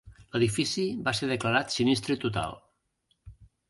L'edifici va ser declarat sinistre total.